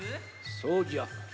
そうじゃ。